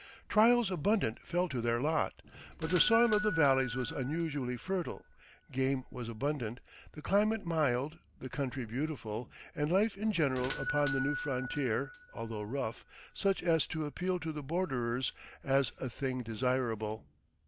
Trials abundant fell to their lot; but the soil of the valleys was unusually fertile, game was abundant, the climate mild, the country beautiful, and life in general upon the new frontier, although rough, such as to appeal to the borderers as a thing desirable.